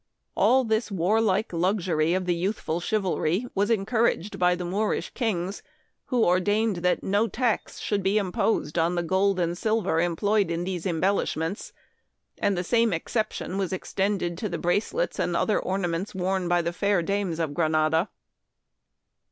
All this warlike luxury of the youthful chivalry was encouraged by the Moor ish kings, who ordained that no tax should be imposed on the gold and silver employed in these embellishments, and the same exception was extended to the bracelets and other orna ments worn by the fair dames of Granada.